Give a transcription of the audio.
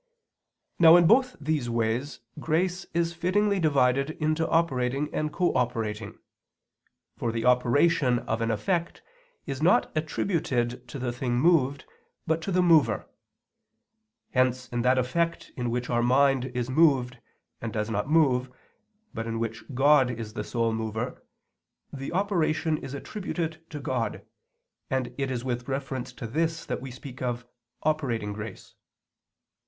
Now in both these ways grace is fittingly divided into operating and cooperating. For the operation of an effect is not attributed to the thing moved but to the mover. Hence in that effect in which our mind is moved and does not move, but in which God is the sole mover, the operation is attributed to God, and it is with reference to this that we speak of "operating grace."